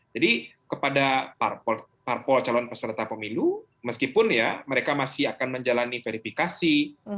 jadi kepada parpol calon peserta pemilu meskipun ya mereka masih akan menjalani verifikasi